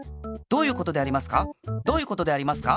どういうことでありますか？